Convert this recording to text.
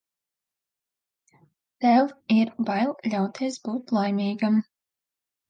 Tev ir bail ļauties būt laimīgam.